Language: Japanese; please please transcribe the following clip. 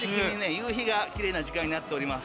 夕日がきれいな時間になっております。